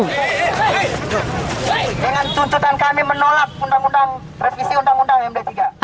dengan tuntutan kami menolak revisi undang undang md tiga